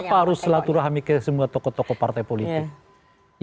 kenapa harus silaturahmi ke semua tokoh tokoh partai politik